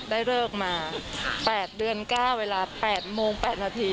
ได้เลิกมา๘เดือน๙เวลา๘โมง๘นาที